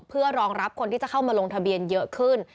เพื่อรองรับคนที่จะเข้ามาลงทะเบียนเยอะขึ้น